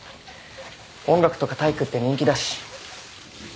音楽とか体育って人気だし。